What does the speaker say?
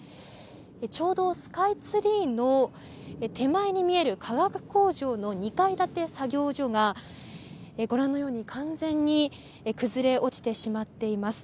ちょうどスカイツリーの手前に見える、化学工場の２階建て作業所がご覧のように完全に崩れ落ちてしまっています。